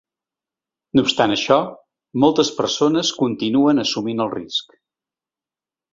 No obstant això, moltes persones continuen assumint el risc.